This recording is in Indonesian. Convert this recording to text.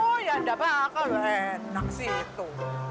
oh ya dapat akal enak sih itu